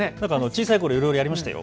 小さいころいろいろやりました。